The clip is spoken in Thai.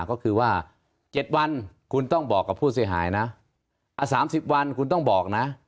ก็คือว่า๗วันคุณต้องบอกกับผู้เสียหายนะ๓๐วันคุณต้องบอกนะ